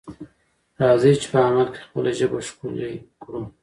راځئ چې په عمل کې خپله ژبه ښکلې کړو.